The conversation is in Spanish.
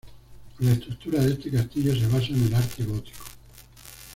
La estructura de este castillo se basa en el arte gótico.